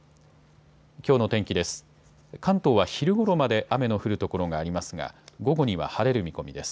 きょうの天気です。